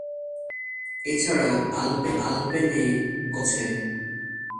এছাড়া, আলপেনে গমও রয়েছে।